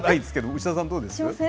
牛田さん、どうです？